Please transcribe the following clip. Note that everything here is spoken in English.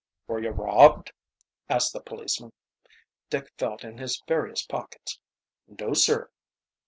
"Were you robbed?" asked the policeman. Dick felt in his various pockets. "No, sir."